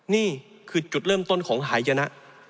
นี่คือจุดเริ่มต้นของหายนะ